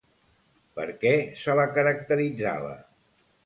Per què se la caracteritzava?